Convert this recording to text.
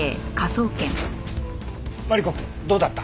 マリコくんどうだった？